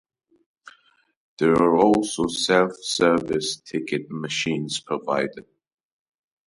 There are also self-service ticket machines provided.